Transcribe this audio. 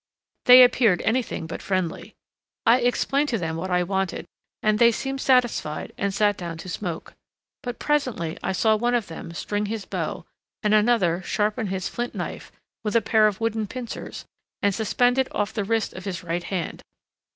They appeared anything but friendly. I explained to them what I wanted, and they seemed satisfied and sat down to smoke; but presently I saw one of them string his bow, and another sharpen his flint knife with a pair of wooden pincers and suspend it off the wrist of his right hand.